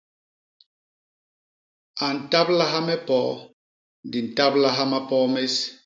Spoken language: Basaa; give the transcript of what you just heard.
A ntablaha me poo, di ntablaha mapoo més.